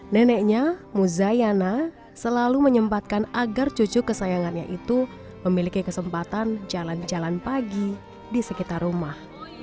neneknya muzayana selalu menyempatkan agar cucu kesayangannya itu memiliki kesempatan jalan jalan pagi di sekitar rumah